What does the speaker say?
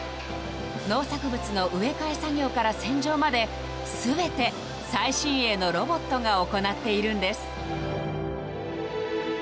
農作物の植え替え作業から洗浄まで全て、最新鋭のロボットが行っているんです。